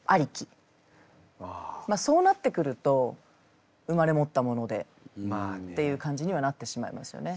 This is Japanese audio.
まあそうなってくると生まれ持ったものでっていう感じにはなってしまいますよね。